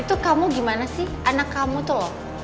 itu kamu gimana sih anak kamu tuh loh